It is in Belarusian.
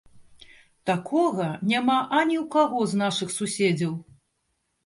Такога няма ані ў каго з нашых суседзяў!